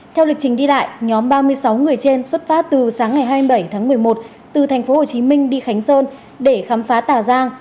theo lịch trình đi đại nhóm ba mươi sáu người trên xuất phát từ sáng ngày hai mươi bảy tháng một mươi một từ tp hcm đi khánh sơn để khám phá tà giang